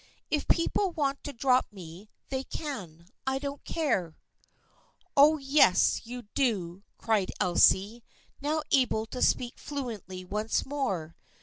" If people want to drop me they can. I don't care." " Oh, yes, you do !" cried Elsie, now able to speak fluently once more.